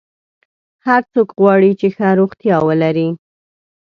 هر څوک غواړي چې ښه روغتیا ولري.